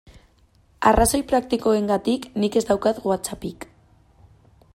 Arrazoi praktikoengatik nik ez daukat WhatsAppik.